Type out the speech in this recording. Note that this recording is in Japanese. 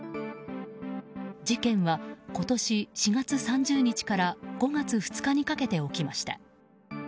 事件は今年４月３０日から５月２日にかけて起きました。